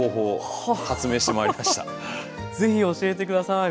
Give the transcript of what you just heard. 是非教えて下さい。